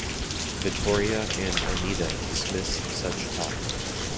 Vittoria and Anita dismiss such talk.